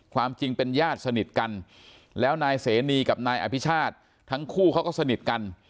ความจริงเป็นญาติสนิทกันแล้วนายเสนีกับนายอภิชาติทั้งคู่เขาก็สนิทกัน